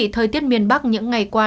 thời tiết miền bắc những ngày qua